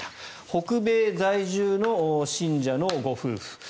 北米在住の信者のご夫婦。